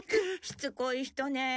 しつこい人ねえ。